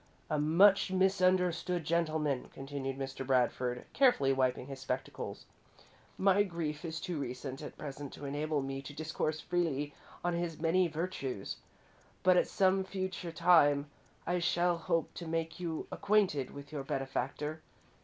"A much misunderstood gentleman," continued Mr. Bradford, carefully wiping his spectacles. "My grief is too recent, at present, to enable me to discourse freely of his many virtues, but at some future time I shall hope to make you acquainted with your benefactor.